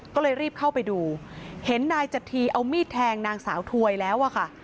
ก็เลยรีบเข้าไปดูเห็นนายจธีเอามีดแทงนางสาวถวยแล้วอะค่ะ